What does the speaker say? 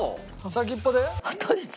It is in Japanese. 先っぽで？